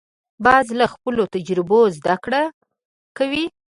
باز له خپلو تجربو زده کړه کوي